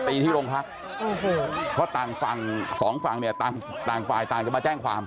ไปตีที่โรงพักเพราะต่างฝั่งสองฝั่งต่างฝ่ายต่างจะมาแจ้งความ